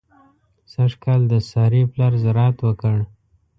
سږ کال د سارې پلار زراعت وکړ.